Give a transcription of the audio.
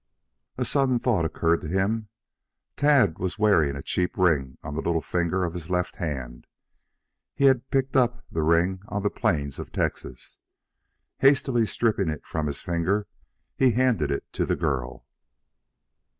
A sudden thought occurred to him. Tad was wearing a cheap ring on the little finger of his left hand. He had picked up the ring on the plains in Texas. Hastily stripping it from his finger he handed it to the girl.